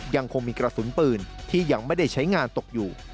ยังคงมีกระสุนปืนที่ยังไม่ได้ใช้งานตกอยู่